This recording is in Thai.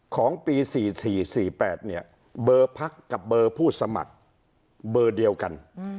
ของปี๔๔๔๘เนี่ยเบอร์พักกับเบอร์ผู้สมัครเบอร์เดียวกัน